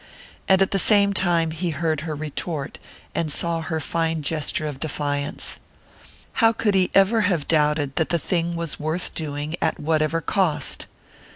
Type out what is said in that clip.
And at the same instant he heard her retort, and saw her fine gesture of defiance. How could he ever have doubted that the thing was worth doing at whatever cost?